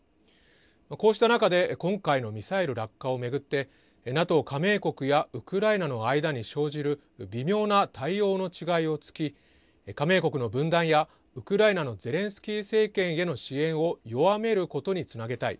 こうした中で今回のミサイル落下を巡ってＮＡＴＯ加盟国やウクライナの間に生じる微妙な対応の違いを突き加盟国の分断やウクライナのゼレンスキー政権への支援を弱めることにつなげたい。